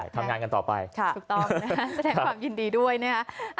ทำงานกันต่อไปแสดงความยินดีด้วยนะ